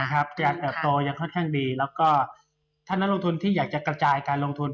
แล้วก็ถ้านักลงทนที่อยากจะกระจายการลงทน